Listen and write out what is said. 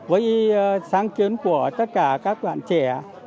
với sáng kiến của tất cả các bạn trẻ